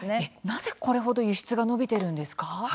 なぜこれほど輸出が伸びているんですか？